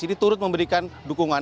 ini turut memberikan dukungan